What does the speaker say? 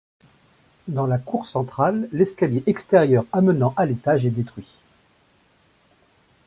Dans la cour centrale, l’escalier extérieur amenant à l’étage est détruit.